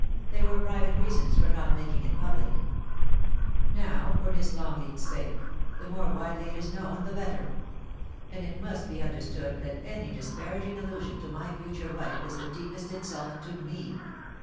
* There were private reasons for not making it public; now, for Miss Longleat's sake, the 376 POLICY AND PASSIOJV: more widely it is known the better. And it must be under stood that any disparaging allusion to my future wife is the deepest insult to me.